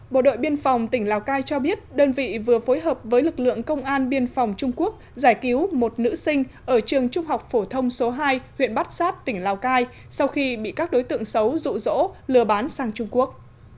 bộ đội biên phòng tỉnh lào cai cho biết đơn vị vừa phối hợp với lực lượng công an biên phòng trung quốc giải cứu một nữ sinh ở trường trung học phổ thông số hai huyện bát sát tỉnh lào cai sau khi bị các đối tượng xấu rụ rỗ lừa bán sang trung quốc